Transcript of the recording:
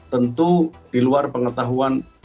tentu di luar pengetahuan